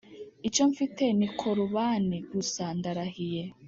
icyo mfite ni korubani gusa ndarahiye